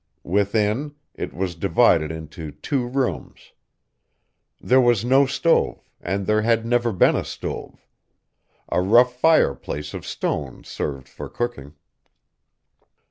Within, it was divided into two rooms. There was no stove and there had never been a stove. A rough fireplace of stone served for cooking.